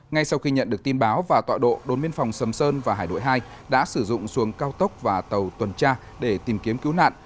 ngay sau khi nhận được tin báo và tọa độ đồn biên phòng sầm sơn và hải đội hai đã sử dụng xuồng cao tốc và tàu tuần tra để tìm kiếm cứu nạn